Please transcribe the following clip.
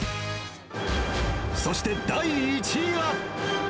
そして第１位は。